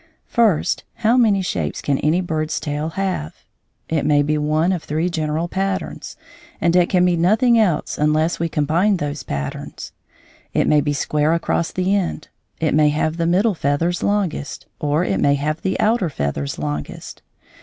First, how many shapes can any bird's tail have? It may be one of three general patterns, and it can be nothing else unless we combine those patterns. It may be square across the end, it may have the middle feathers longest, or it may have the outer feathers longest.